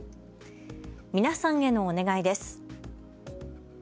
皆さんへのお願いです。